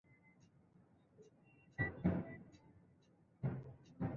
wa muda mrefu sasa kanisa hilo limekuwa likipinga utumiaji wa mipira kondom